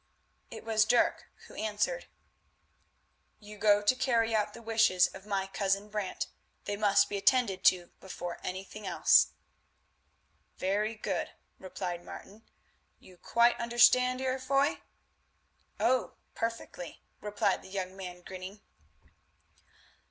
It was Dirk who answered. "You go to carry out the wishes of my cousin Brant; they must be attended to before anything else." "Very good," replied Martin; "you quite understand, Heer Foy?" "Oh! perfectly," replied that young man, grinning.